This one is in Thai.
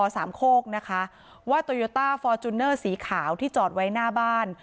สัมโคกนะคะว่าโตโยต้าสีขาวที่จอดไว้หน้าบ้าน